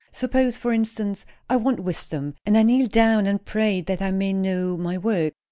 Suppose, for instance, I want wisdom; and I kneel down and pray that I may know my work.